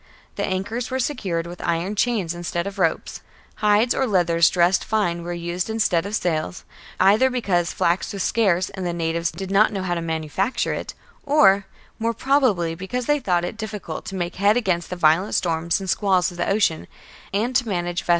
^ The anchors were secured with iron chains instead of ropes. Hides or leather dressed fine were used instead of sails, either because flax was scarce and the natives did not know how to manufacture it, or, more probably, because they thought it difficult to make head against the violent storms and squalls of the Ocean, and to manage vessels of such 1 Or, adopting the reading of the a MSS.